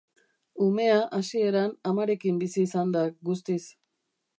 Umea, hasieran, amarekin bizi izan da, guztiz.